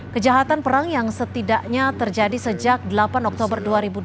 kejahatan perang yang setidaknya terjadi sejak delapan oktober dua ribu dua puluh